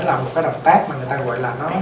là một cái động tác mà người ta gọi là nó